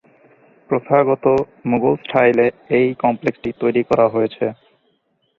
প্রথাগত মুঘল স্টাইলে এই কমপ্লেক্সটি তৈরি করা হয়েছে।